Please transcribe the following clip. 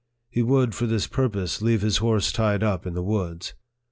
He would, for this purpose, leave his horse tied up in the woods.